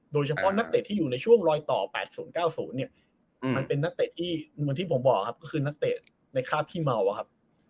โดยเฉพาะนักเตะที่อยู่ในช่วงรอยต่อ๘๐๙๐มันเป็นนักเตะที่อย่างที่ผมบอกนักเตะในคราบที่เมา